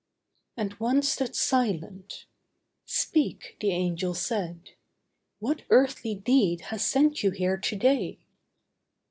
And one stood silent. 'Speak!' the Angel said; 'What earthly deed has sent you here to day?